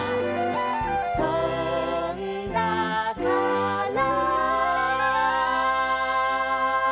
「とんだから」